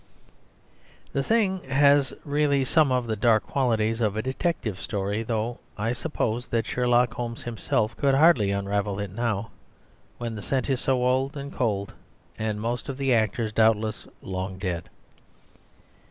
The thing has really some of the dark qualities of a detective story; though I suppose that Sherlock Holmes himself could hardly unravel it now, when the scent is so old and cold and most of the actors, doubtless, long dead.